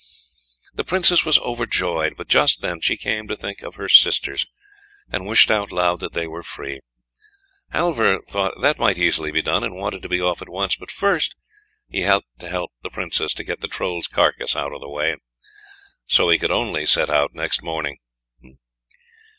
The Princess was overjoyed, but just then she came to think of her sisters, and wished out loud they were free. Halvor thought that might easily be done, and wanted to be off at once; but first he had to help the Princess to get the Troll's carcass out of the way, and so he could only set out next morning.